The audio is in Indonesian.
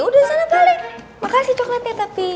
udah sana balik makasih cokelatnya tapi